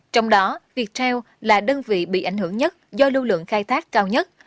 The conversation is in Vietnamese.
trong đó viettel là đơn vị bị ảnh hưởng nhất do lưu lượng khai thác cao nhất